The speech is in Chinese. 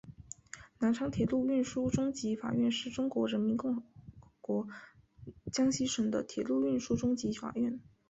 南昌铁路运输中级法院是中华人民共和国江西省的铁路运输中级法院。